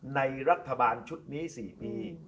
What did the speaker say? ในรัฐบาลชุดนี้๔ปี